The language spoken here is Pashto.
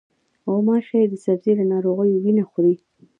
غوماشې د سږي له ناروغانو وینه خوري.